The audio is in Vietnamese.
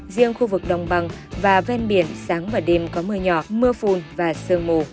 riêng khu vực đồng bằng và ven biển sáng và đêm có mưa nhỏ mưa phùn và sương mù